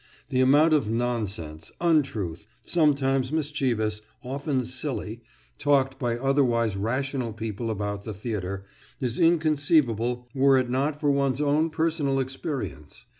The amount of nonsense, untruth, sometimes mischievous, often silly, talked by otherwise rational people about the theatre, is inconceivable were it not for one's own personal experience.